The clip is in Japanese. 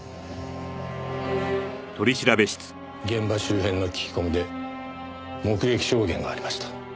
現場周辺の聞き込みで目撃証言がありました。